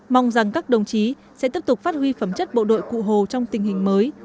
mong rằng các đồng chí sẽ tiếp tục phát huy phẩm chất bộ đội cụ hồ trong tình hình mới